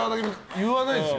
言わないですよ。